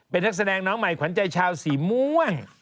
เป็นนักแสดงน้องใหม่ขวัญใจชาวสีม่วง